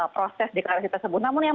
proses deklarasi tersebut namun